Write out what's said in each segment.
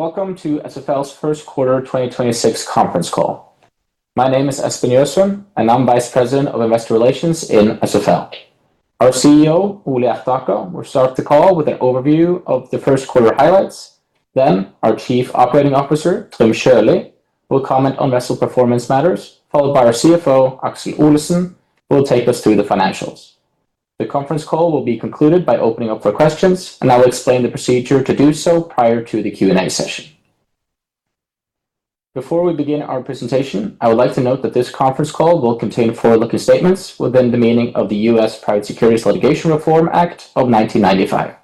Welcome to SFL's first quarter 2026 conference call. My name is Espen Gjøsund, and I'm Vice President of Investor Relations in SFL. Our CEO, Ole Hjertaker, will start the call with an overview of the first quarter highlights, then our Chief Operating Officer, Trym Sjølie, will comment on vessel performance matters, followed by our CFO, Aksel Olesen, will take us through the financials. The conference call will be concluded by opening up for questions. I will explain the procedure to do so prior to the Q&A session. Before we begin our presentation, I would like to note that this conference call will contain forward-looking statements within the meaning of the U.S. Private Securities Litigation Reform Act of 1995.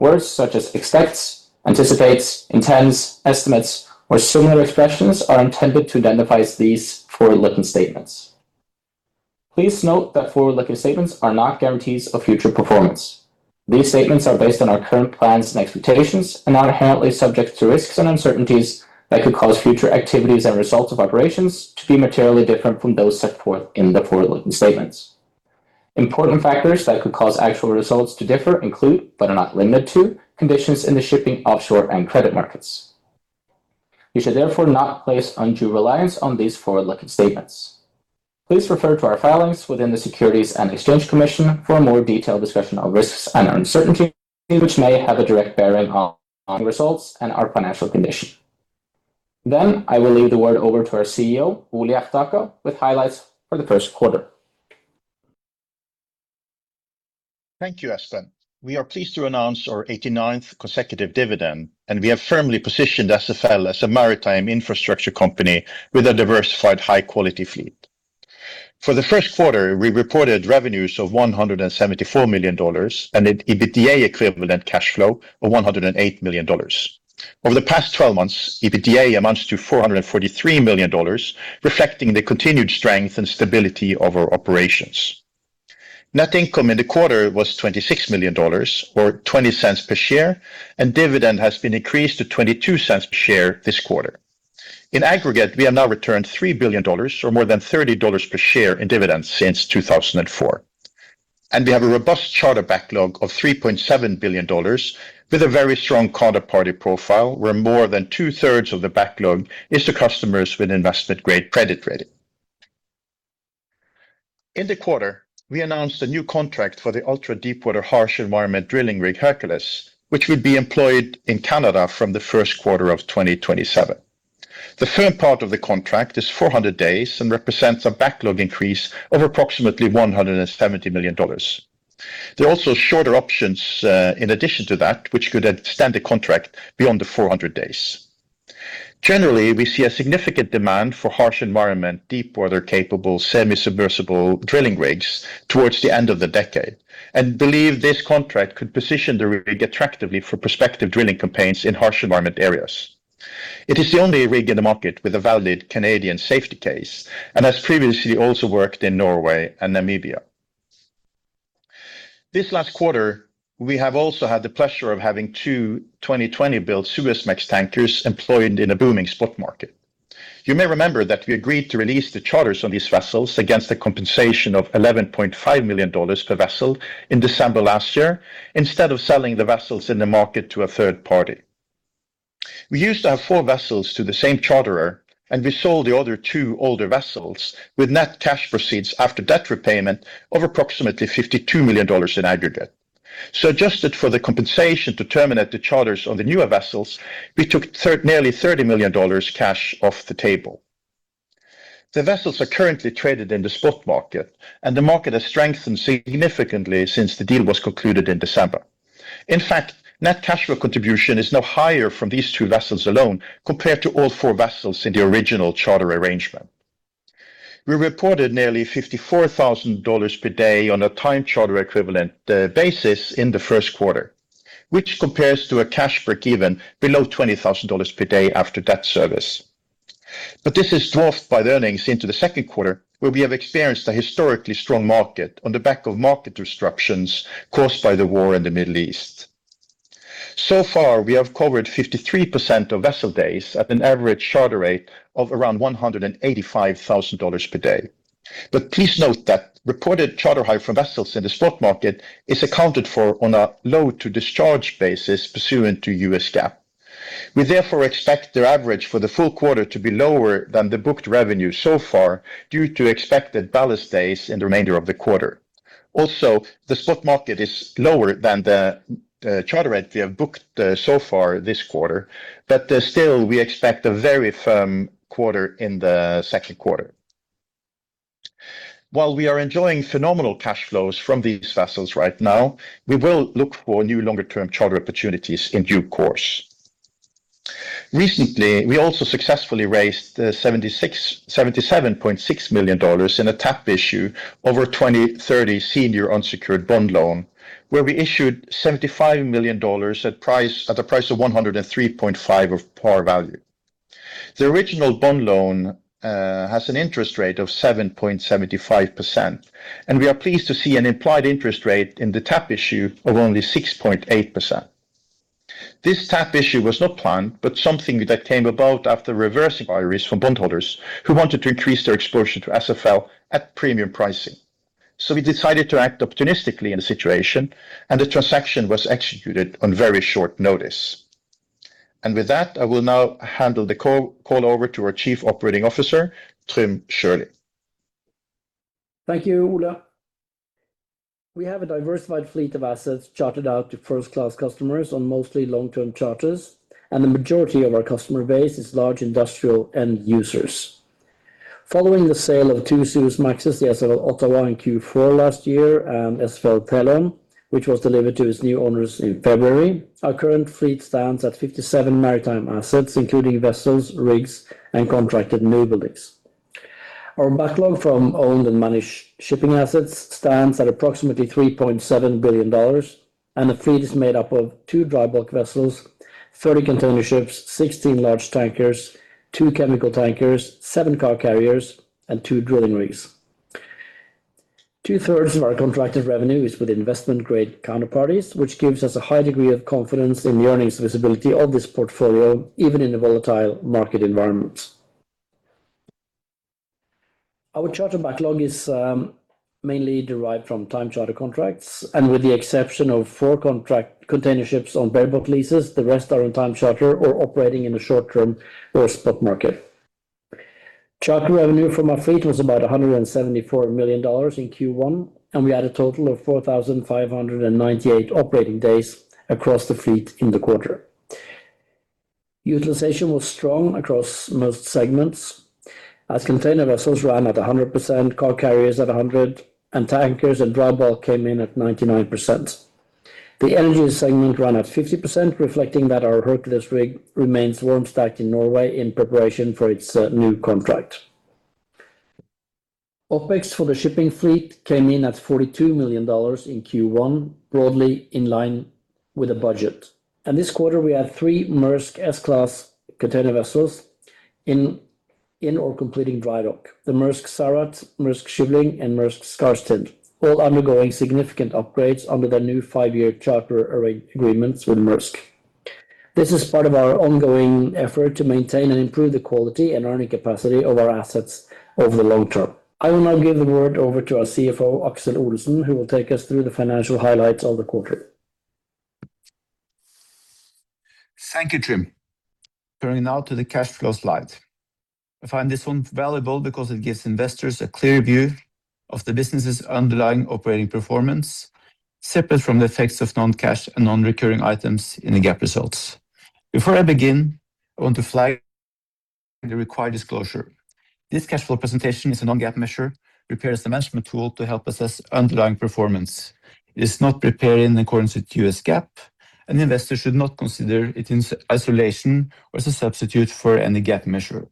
Words such as expects, anticipates, intends, estimates, or similar expressions are intended to identify these forward-looking statements. Please note that forward-looking statements are not guarantees of future performance. These statements are based on our current plans and expectations and are inherently subject to risks and uncertainties that could cause future activities and results of operations to be materially different from those set forth in the forward-looking statements. Important factors that could cause actual results to differ include, but are not limited to, conditions in the shipping offshore and credit markets. You should therefore not place undue reliance on these forward-looking statements. Please refer to our filings within the Securities and Exchange Commission for a more detailed discussion of risks and uncertainty which may have a direct bearing on results and our financial condition. I will leave the word over to our CEO, Ole Hjertaker, with highlights for the first quarter. Thank you, Espen. We are pleased to announce our 89th consecutive dividend, and we have firmly positioned SFL as a maritime infrastructure company with a diversified high-quality fleet. For the first quarter, we reported revenues of $174 million and an EBITDA equivalent cash flow of $108 million. Over the past 12 months, EBITDA amounts to $443 million, reflecting the continued strength and stability of our operations. Net income in the quarter was $26 million or $0.20 per share, and dividend has been increased to $0.22 per share this quarter. In aggregate, we have now returned $3 billion or more than $30 per share in dividends since 2004. We have a robust charter backlog of $3.7 billion with a very strong counterparty profile, where more than two-thirds of the backlog is to customers with investment grade credit rating. In the quarter, we announced a new contract for the ultra deepwater harsh environment drilling rig Hercules, which would be employed in Canada from the first quarter of 2027. The firm part of the contract is 400 days and represents a backlog increase of approximately $170 million. There are also shorter options in addition to that, which could extend the contract beyond the 400 days. Generally, we see a significant demand for harsh environment, deepwater capable, semi-submersible drilling rigs towards the end of the decade and believe this contract could position the rig attractively for prospective drilling campaigns in harsh environment areas. It is the only rig in the market with a valid Canadian safety case and has previously also worked in Norway and Namibia. This last quarter, we have also had the pleasure of having two 2020-built Suezmax tankers employed in a booming spot market. You may remember that we agreed to release the charters on these vessels against the compensation of $11.5 million per vessel in December last year instead of selling the vessels in the market to a third party. We used to have four vessels to the same charterer, we sold the other two older vessels with net cash proceeds after debt repayment of approximately $52 million in aggregate. Adjusted for the compensation to terminate the charters on the newer vessels, we took nearly $30 million cash off the table. The vessels are currently traded in the spot market, and the market has strengthened significantly since the deal was concluded in December. In fact, net cash flow contribution is now higher from these two vessels alone compared to all four vessels in the original charter arrangement. We reported nearly $54,000 per day on a time charter equivalent basis in the first quarter, which compares to a cash break even below $20,000 per day after debt service. This is dwarfed by the earnings into the second quarter, where we have experienced a historically strong market on the back of market disruptions caused by the war in the Middle East. So far, we have covered 53% of vessel days at an average charter rate of around $185,000 per day. Please note that reported charter hire for vessels in the spot market is accounted for on a load to discharge basis pursuant to U.S. GAAP. We therefore expect the average for the full quarter to be lower than the booked revenue so far due to expected ballast days in the remainder of the quarter. The spot market is lower than the charter rate we have booked so far this quarter, still we expect a very firm quarter in the second quarter. While we are enjoying phenomenal cash flows from these vessels right now, we will look for new longer term charter opportunities in due course. Recently, we also successfully raised $77.6 million in a tap issue over 2030 senior unsecured bond loan, where we issued $75 million at price, at a price of 103.5% of par value. The original bond loan has an interest rate of 7.75%, and we are pleased to see an implied interest rate in the tap issue of only 6.8%. This tap issue was not planned, but something that came about after receiving queries from bondholders who wanted to increase their exposure to SFL at premium pricing. We decided to act opportunistically in the situation, and the transaction was executed on very short notice. With that, I will now handle the call over to our Chief Operating Officer, Trym Sjølie. Thank you, Ole. We have a diversified fleet of assets chartered out to first-class customers on mostly long-term charters, and the majority of our customer base is large industrial end users. Following the sale of two Suezmaxes, the SFL Ottawa in Q4 last year and SFL Thelon, which was delivered to its new owners in February, our current fleet stands at 57 maritime assets, including vessels, rigs, and contracted newbuildings. Our backlog from owned and managed shipping assets stands at approximately $3.7 billion, and the fleet is made up of two dry bulk vessels, 30 container ships, 16 large tankers, two chemical tankers, seven car carriers, and two drilling rigs. Two-thirds of our contracted revenue is with investment-grade counterparties, which gives us a high degree of confidence in the earnings visibility of this portfolio, even in the volatile market environments. Our charter backlog is mainly derived from time charter contracts, and with the exception of four contract container ships on bareboat leases, the rest are on time charter or operating in the short term or spot market. Charter revenue from our fleet was about $174 million in Q1, and we had a total of 4,598 operating days across the fleet in the quarter. Utilization was strong across most segments as container vessels ran at 100%, car carriers at 100%, and tankers and dry bulk came in at 99%. The energy segment ran at 50%, reflecting that our Hercules rig remains warm stacked in Norway in preparation for its new contract. OpEx for the shipping fleet came in at $42 million in Q1, broadly in line with the budget. This quarter, we had three Maersk S-class container vessels in or completing drydock. The Maersk Sarat, Maersk Shivling, and Maersk Skarstad all undergoing significant upgrades under their new five-year charter agreements with Maersk. This is part of our ongoing effort to maintain and improve the quality and earning capacity of our assets over the long term. I will now give the word over to our CFO, Aksel Olesen, who will take us through the financial highlights of the quarter. Thank you, Trym. Turning now to the cash flow slide. I find this one valuable because it gives investors a clear view of the business's underlying operating performance, separate from the effects of non-cash and non-recurring items in the GAAP results. Before I begin, I want to flag the required disclosure. This cash flow presentation is a non-GAAP measure prepared as a management tool to help assess underlying performance. It is not prepared in accordance with U.S. GAAP, and investors should not consider it in isolation or as a substitute for any GAAP measure.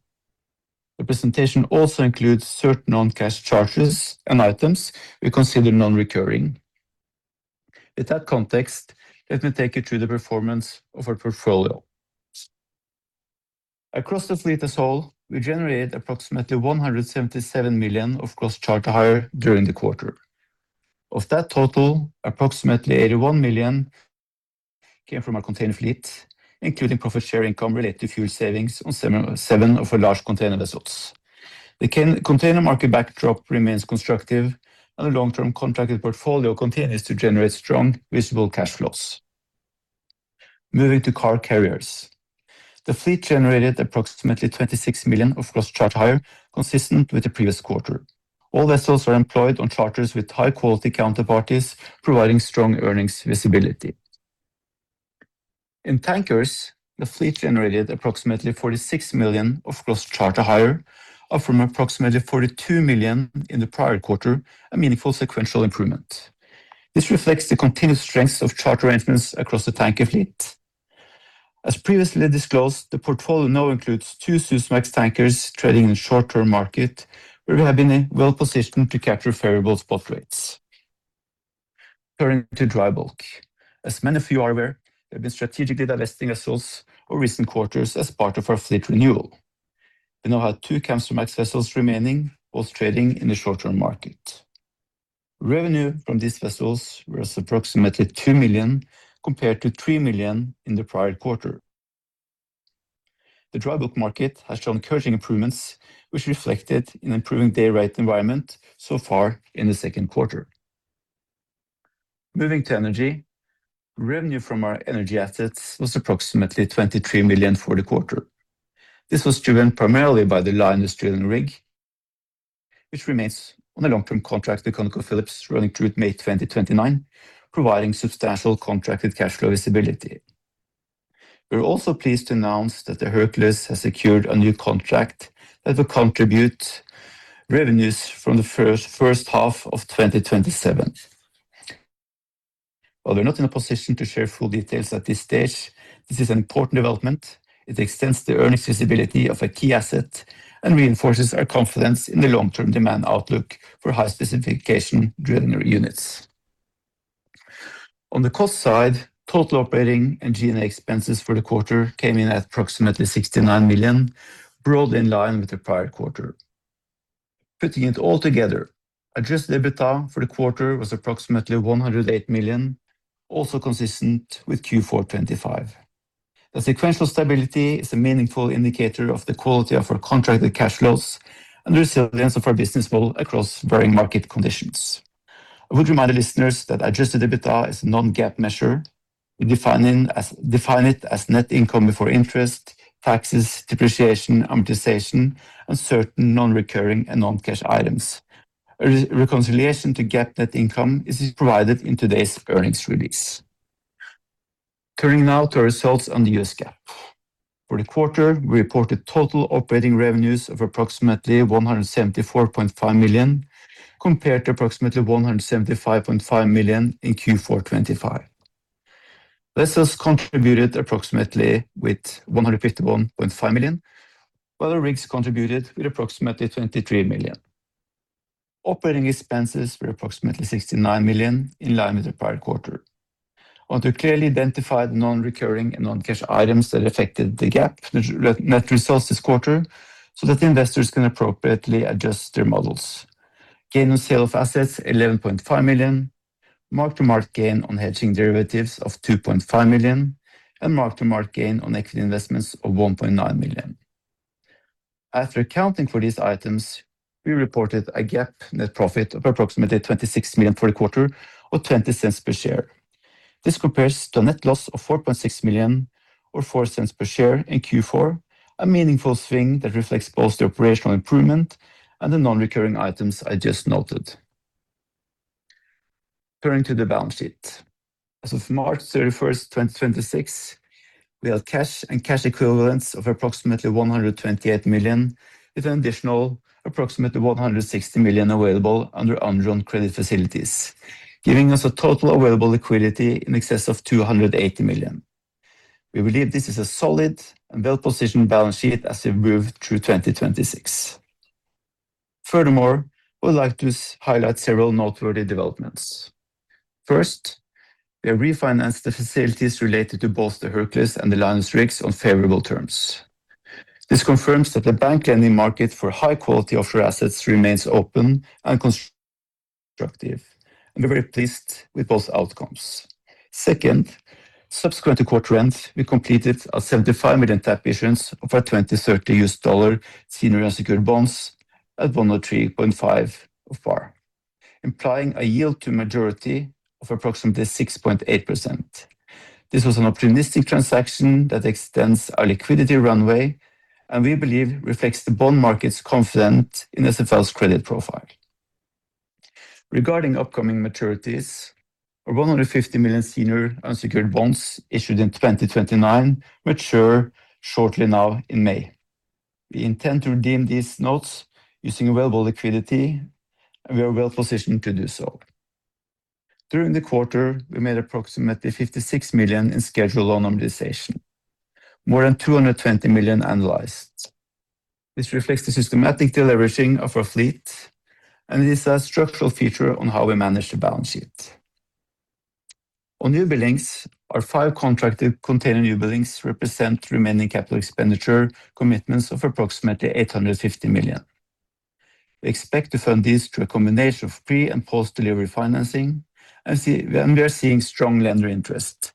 The presentation also includes certain non-cash charges and items we consider non-recurring. With that context, let me take you through the performance of our portfolio. Across the fleet as whole, we generated approximately $177 million of gross charter hire during the quarter. Of that total, approximately $81 million came from our container fleet, including profit share income related to fuel savings on seven of our large container vessels. The container market backdrop remains constructive, the long-term contracted portfolio continues to generate strong visible cash flows. Moving to car carriers. The fleet generated approximately $26 million of gross charter hire, consistent with the previous quarter. All vessels are employed on charters with high-quality counterparties, providing strong earnings visibility. In tankers, the fleet generated approximately $46 million of gross charter hire, up from approximately $42 million in the prior quarter, a meaningful sequential improvement. This reflects the continued strength of charter arrangements across the tanker fleet. As previously disclosed, the portfolio now includes two Suezmax tankers trading in the short-term market, where we have been well-positioned to capture favorable spot rates. Turning to dry bulk. As many of you are aware, we have been strategically divesting vessels over recent quarters as part of our fleet renewal. We now have two Kamsarmaxes vessels remaining, both trading in the short-term market. Revenue from these vessels was approximately $2 million, compared to $3 million in the prior quarter. The dry bulk market has shown encouraging improvements, which reflected in improving day rate environment so far in the second quarter. Moving to energy. Revenue from our energy assets was approximately $23 million for the quarter. This was driven primarily by the Linus drilling rig, which remains on a long-term contract with ConocoPhillips running through to May 2029, providing substantial contracted cash flow visibility. We are also pleased to announce that the Hercules has secured a new contract that will contribute revenues from the first half of 2027. While we're not in a position to share full details at this stage, this is an important development. It extends the earnings visibility of a key asset and reinforces our confidence in the long-term demand outlook for high specification drilling units. On the cost side, total operating and G&A expenses for the quarter came in at approximately $69 million, broadly in line with the prior quarter. Putting it all together, adjusted EBITDA for the quarter was approximately $108 million, also consistent with Q4 2025. The sequential stability is a meaningful indicator of the quality of our contracted cash flows and the resilience of our business model across varying market conditions. I would remind the listeners that adjusted EBITDA is a non-GAAP measure. We define it as net income before interest, taxes, depreciation, amortization, and certain non-recurring and non-cash items. A reconciliation to GAAP net income is provided in today's earnings release. Turning now to our results on the U.S. GAAP. For the quarter, we reported total operating revenues of approximately $174.5 million, compared to approximately $175.5 million in Q4 2025. This has contributed approximately with $151.5 million, while the rigs contributed with approximately $23 million. Operating expenses were approximately $69 million, in line with the prior quarter. I want to clearly identify the non-recurring and non-cash items that affected the GAAP net results this quarter so that investors can appropriately adjust their models. Gain on sale of assets, $11.5 million, mark-to-market gain on hedging derivatives of $2.5 million, and mark-to-market gain on equity investments of $1.9 million. After accounting for these items, we reported a GAAP net profit of approximately $26 million for the quarter or $0.20 per share. This compares to a net loss of $4.6 million or $0.04 per share in Q4, a meaningful swing that reflects both the operational improvement and the non-recurring items I just noted. Turning to the balance sheet. As of March 31st, 2026, we have cash and cash equivalents of approximately $128 million, with an additional approximately $160 million available under undrawn credit facilities, giving us a total available liquidity in excess of $280 million. We believe this is a solid and well-positioned balance sheet as we move through 2026. I would like to highlight several noteworthy developments. First, we have refinanced the facilities related to both the Hercules and the Lioness rigs on favorable terms. This confirms that the bank lending market for high quality offshore assets remains open and constructive, and we're very pleased with both outcomes. Second, subsequent to quarter end, we completed a $75 million tap issuance of our 2030 U.S. dollar senior unsecured bonds at 103.5% of par, implying a yield to maturity of approximately 6.8%. This was an opportunistic transaction that extends our liquidity runway and we believe reflects the bond market's confidence in SFL's credit profile. Regarding upcoming maturities, our $150 million senior unsecured bonds issued in 2029 mature shortly now in May. We intend to redeem these notes using available liquidity, and we are well-positioned to do so. During the quarter, we made approximately $56 million in scheduled loan amortization, more than $220 million annualized. This reflects the systematic deleveraging of our fleet. It is a structural feature on how we manage the balance sheet. On newbuildings, our five contracted container newbuildings represent remaining capital expenditure commitments of approximately $850 million. We expect to fund these through a combination of pre- and post-delivery financing. We are seeing strong lender interest,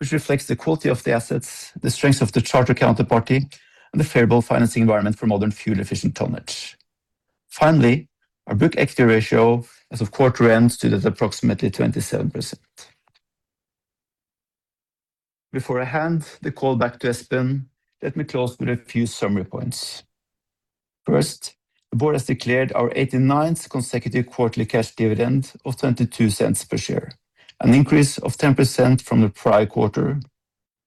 which reflects the quality of the assets, the strength of the charter counterparty, and the favorable financing environment for modern fuel-efficient tonnage. Finally, our book equity ratio as of quarter end stood at approximately 27%. Before I hand the call back to Espen, let me close with a few summary points. First, the board has declared our 89th consecutive quarterly cash dividend of $0.22 per share, an increase of 10% from the prior quarter.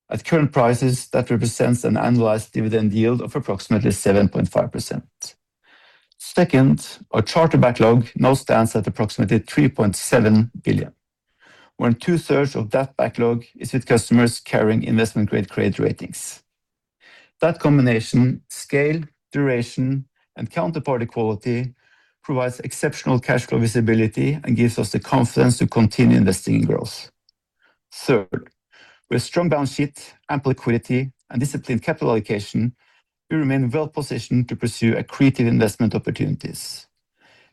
At current prices, that represents an annualized dividend yield of approximately 7.5%. Second, our charter backlog now stands at approximately $3.7 billion, where two-third of that backlog is with customers carrying investment-grade credit ratings. That combination, scale, duration, and counterparty quality provides exceptional cash flow visibility and gives us the confidence to continue investing in growth. Third, with strong balance sheet, ample liquidity and disciplined capital allocation, we remain well-positioned to pursue accretive investment opportunities.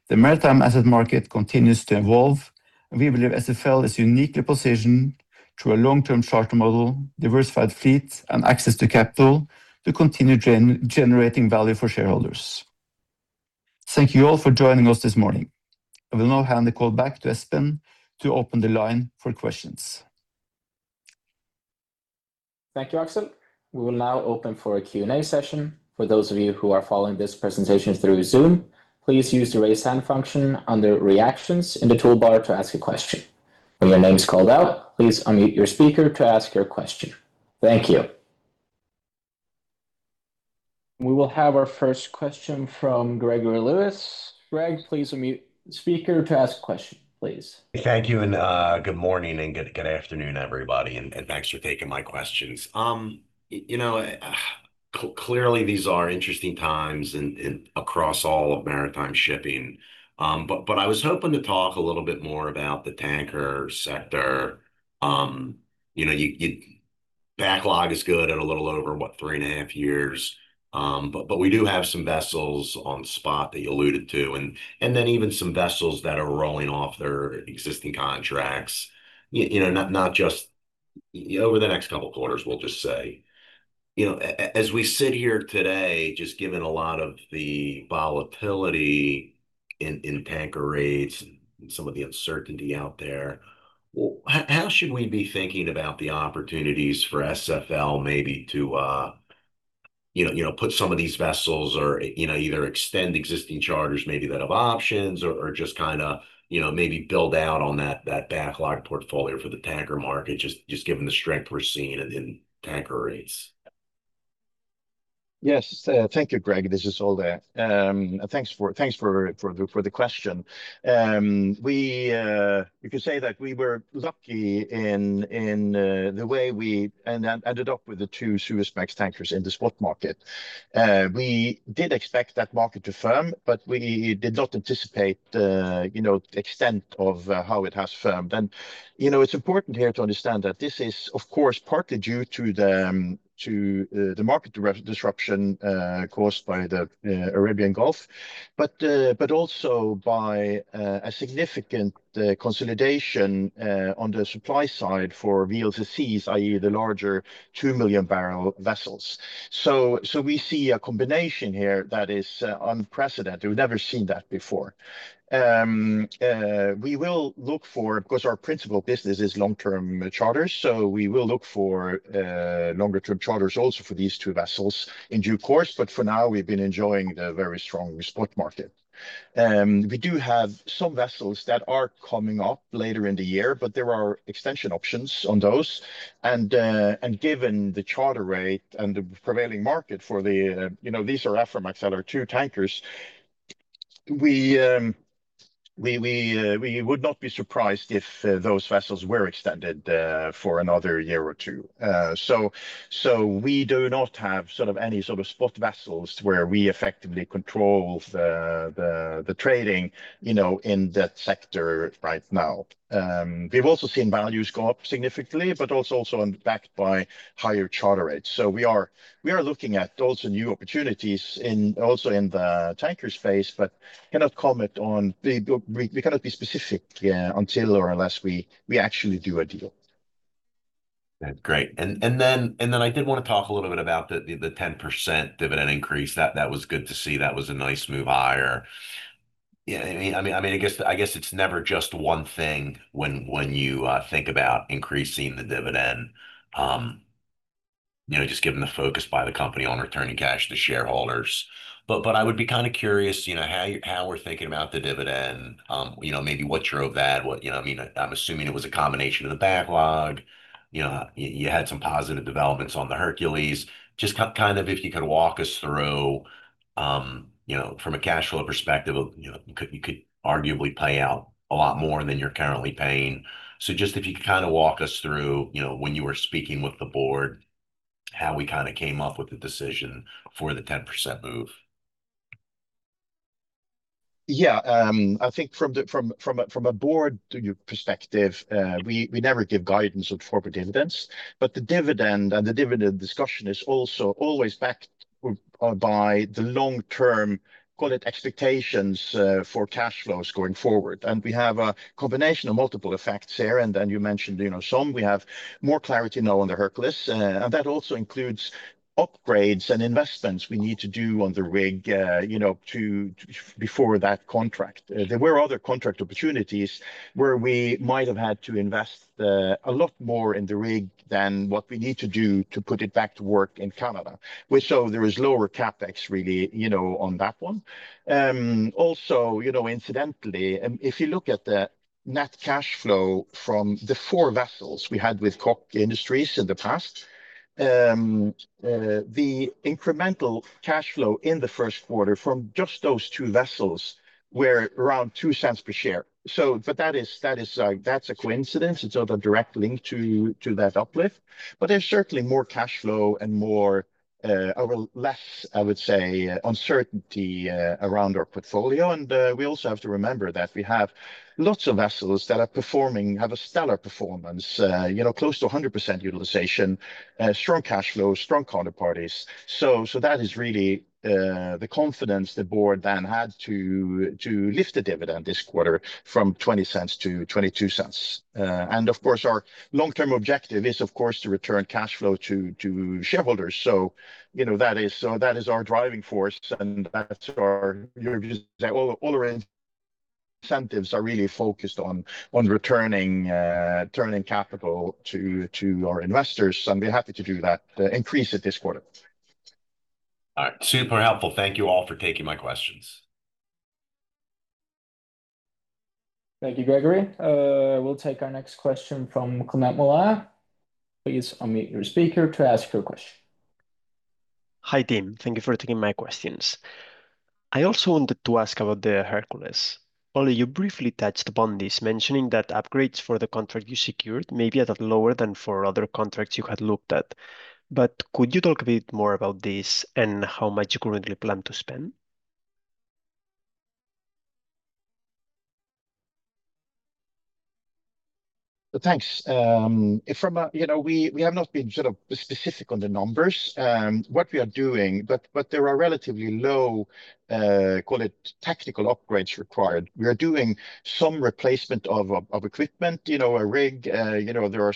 The maritime asset market continues to evolve, and we believe SFL is uniquely positioned through a long-term charter model, diversified fleet, and access to capital to continue generating value for shareholders. Thank you all for joining us this morning. I will now hand the call back to Espen to open the line for questions. Thank you, Aksel. We will now open for a Q&A session. For those of you who are following this presentation through Zoom, please use the raise hand function under Reactions in the toolbar to ask a question. When your name is called out, please unmute your speaker to ask your question. Thank you. We will have our first question from [Gregory Lewis]. Greg, please unmute speaker to ask a question, please. Thank you, and good morning and good afternoon, everybody, and thanks for taking my questions. You know, clearly these are interesting times in across all of maritime shipping. I was hoping to talk a little bit more about the tanker sector. You know, your backlog is good at a little over what, 3.5 years. We do have some vessels on spot that you alluded to, and then even some vessels that are rolling off their existing contracts. You know, not just over the next couple quarters, we'll just say. You know, as we sit here today, just given a lot of the volatility in tanker rates and some of the uncertainty out there, how should we be thinking about the opportunities for SFL maybe to, you know, put some of these vessels or, you know, either extend existing charters maybe that have options or just kinda, you know, maybe build out on that backlog portfolio for the tanker market just given the strength we're seeing in tanker rates? Yes. Thank you, Greg. This is Ole. Thanks for the question. We, you could say that we were lucky in the way we ended up with the two Suezmax tankers in the spot market. We did expect that market to firm, but we did not anticipate the, you know, extent of how it has firmed. You know, it's important here to understand that this is, of course, partly due to the to the market disruption caused by the Arabian Gulf, but also by a significant consolidation on the supply side for VLCCs, i.e. the larger 2 million-barrel vessels. We see a combination here that is unprecedented. We've never seen that before. Of course, our principal business is long-term charters, so we will look for longer term charters also for these two vessels in due course. For now, we've been enjoying the very strong spot market. We do have some vessels that are coming up later in the year, but there are extension options on those. Given the charter rate and the prevailing market for the, you know, these are Aframax LR2 tankers, we would not be surprised if those vessels were extended for another a year or two. We do not have sort of any sort of spot vessels where we effectively control the trading, you know, in that sector right now. We've also seen values go up significantly, also backed by higher charter rates. We are looking at also new opportunities in, also in the tanker space. We cannot be specific until or unless we actually do a deal. That's great. I did want to talk a little bit about the 10% dividend increase. That was good to see. That was a nice move higher. Yeah, I mean, I guess it's never just one thing when you think about increasing the dividend, you know, just given the focus by the company on returning cash to shareholders. I would be kind of curious, you know, how we're thinking about the dividend. You know, maybe what drove that, what. You know, I mean, I'm assuming it was a combination of the backlog. You know, you had some positive developments on the Hercules. Just kind of if you could walk us through, you know, from a cash flow perspective of, you know, you could, you could arguably pay out a lot more than you're currently paying. Just if you could kind of walk us through, you know, when you were speaking with the board, how we kind of came up with the decision for the 10% move? Yeah. I think from a board perspective, we never give guidance on corporate dividends. The dividend and the dividend discussion is also always backed by the long-term, call it, expectations for cash flows going forward. We have a combination of multiple effects here. And you mentioned, you know, some. We have more clarity now on the Hercules, and that also includes upgrades and investments we need to do on the rig before that contract. There were other contract opportunities where we might have had to invest a lot more in the rig than what we need to do to put it back to work in Canada. We saw there was lower CapEx really, you know, on that one. Also, you know, incidentally, if you look at the net cash flow from the four vessels we had with Koch Industries in the past, the incremental cash flow in the first quarter from just those two vessels were around $0.02 per share. But that is a coincidence. It's not a direct link to that uplift. There's certainly more cash flow and more, or less, I would say, uncertainty around our portfolio. We also have to remember that we have lots of vessels that are performing, have a stellar performance, you know, close to 100% utilization, strong cash flow, strong counterparties. That is really the confidence the board then had to lift the dividend this quarter from $0.20 to $0.22. Of course, our long-term objective is, of course, to return cash flow to shareholders. You know, that is our driving force and that's our You would say all our incentives are really focused on returning capital to our investors, and we're happy to do that, increase it this quarter. All right. Super helpful. Thank you all for taking my questions. Thank you, Gregory. We'll take our next question from [Climent Molins]. Please unmute your speaker to ask your question. Hi, team. Thank you for taking my questions. I also wanted to ask about the Hercules. Ole, you briefly touched upon this, mentioning that upgrades for the contract you secured may be at a lower than for other contracts you had looked at. Could you talk a bit more about this and how much you currently plan to spend? Thanks. From a, you know, we have not been sort of specific on the numbers, what we are doing, but there are relatively low, call it tactical upgrades required. We are doing some replacement of equipment. You know, a rig, you know, there are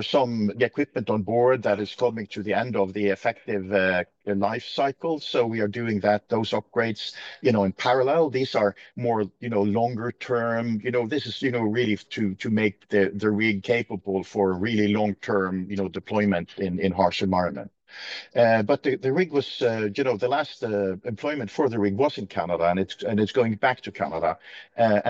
some equipment on board that is coming to the end of the effective life cycle, we are doing that, those upgrades, you know, in parallel. These are more, you know, longer term. You know, this is, you know, really to make the rig capable for really long-term, you know, deployment in harsh environment. The rig was, you know, the last employment for the rig was in Canada and it's going back to Canada.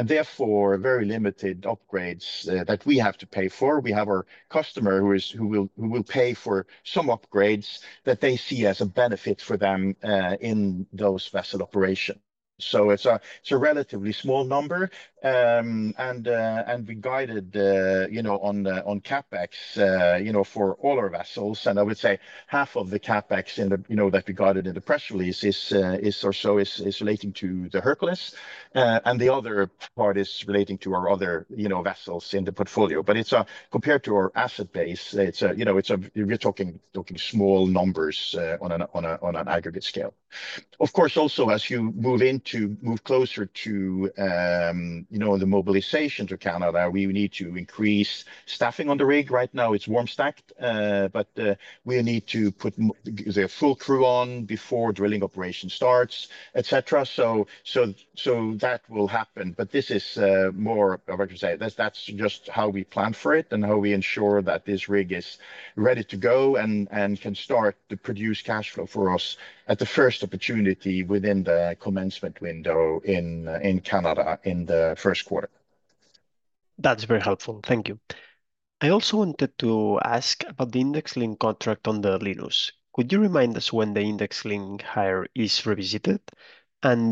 Therefore, very limited upgrades that we have to pay for. We have our customer who will pay for some upgrades that they see as a benefit for them in those vessel operation. It's a relatively small number. We guided, you know, on CapEx, you know, for all our vessels, and I would say half of the CapEx in the, you know, that we guided in the press release is or so is relating to the Hercules. The other part is relating to our other, you know, vessels in the portfolio. It's compared to our asset base, it's, you know, it's a we're talking small numbers on an aggregate scale. As you move closer to, you know, the mobilization to Canada, we need to increase staffing on the rig. Right now it's warm stacked. We need to put the full crew on before drilling operation starts, et cetera. That will happen. This is more, how would you say it? That's just how we plan for it and how we ensure that this rig is ready to go and can start to produce cash flow for us at the first opportunity within the commencement window in Canada in the first quarter. That's very helpful. Thank you. I also wanted to ask about the index link contract on the Linus. Could you remind us when the index link hire is revisited?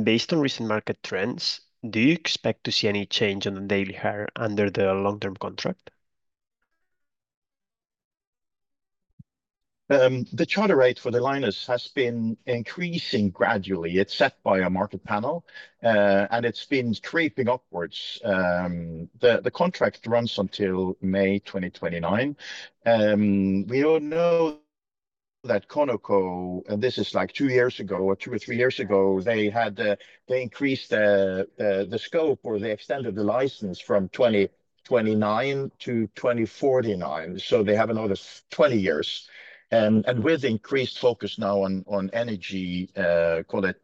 Based on recent market trends, do you expect to see any change on the daily hire under the long-term contract? The charter rate for the Linus has been increasing gradually. It's set by a market panel, and it's been creeping upwards. The contract runs until May 2029. We all know that Conoco, and this is like two years ago, or two or three years ago, they had, they increased the scope or they extended the license from 2029 to 2049. They have another 20 years. With increased focus now on energy, call it,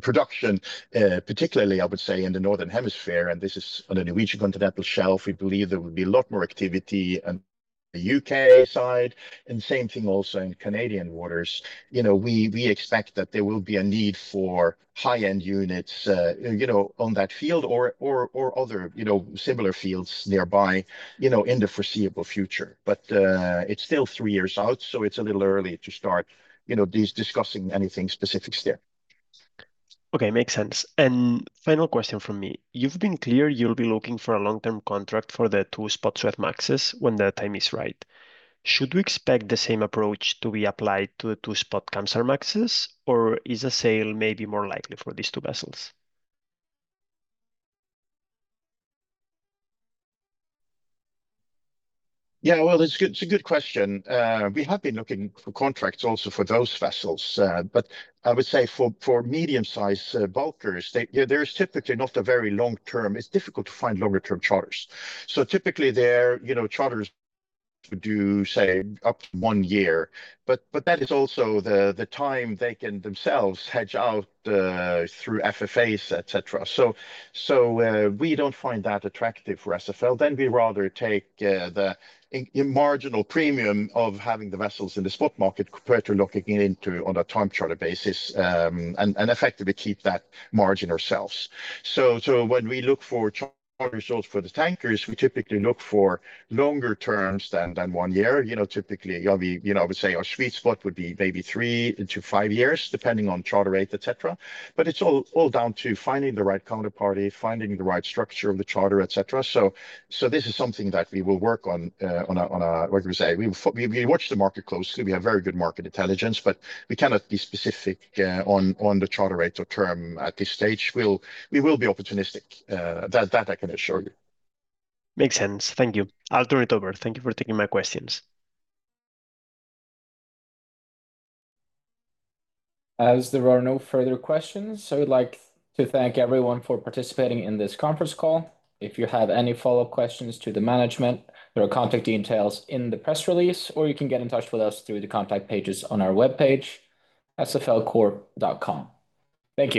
production, particularly I would say in the Northern Hemisphere, and this is on a Norwegian Continental Shelf. We believe there would be a lot more activity on the U.K. side, and same thing also in Canadian waters. You know, we expect that there will be a need for high-end units, you know, on that field or other, you know, similar fields nearby, you know, in the foreseeable future. It's still three years out, so it's a little early to start, you know, discussing anything specifics there. Okay. Makes sense. Final question from me. You've been clear you'll be looking for a long-term contract for the two spot Suezmaxes when the time is right. Should we expect the same approach to be applied to the two spot Kamsarmaxes or is a sale maybe more likely for these two vessels? Yeah. Well, it's a good question. We have been looking for contracts also for those vessels. I would say for medium size bulkers, you know, there is typically not a very long-term. It's difficult to find longer term charters. Typically they're, you know, charters do say up one year, but that is also the time they can themselves hedge out through FFAs, et cetera. We don't find that attractive for SFL. We rather take the marginal premium of having the vessels in the spot market compared to locking it into on a time charter basis, and effectively keep that margin ourselves. When we look for charter results for the tankers, we typically look for longer terms than one year. You know, typically you'll be you know, I would say our sweet spot would be maybe 3-5 years, depending on charter rate, et cetera. It's all down to finding the right counterparty, finding the right structure of the charter, et cetera. This is something that we will work on a, what would you say? We watch the market closely. We have very good market intelligence, we cannot be specific on the charter rate or term at this stage. We will be opportunistic, that I can assure you. Makes sense. Thank you. I'll turn it over. Thank you for taking my questions. As there are no further questions, I would like to thank everyone for participating in this conference call. If you have any follow-up questions to the management, there are contact details in the press release, or you can get in touch with us through the contact pages on our webpage, sflcorp.com. Thank you